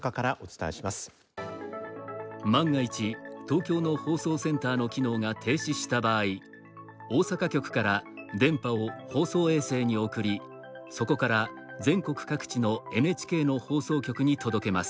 万が一、東京の放送センターの機能が停止した場合大阪局から電波を放送衛星に送りそこから全国各地のＮＨＫの放送局に届けます。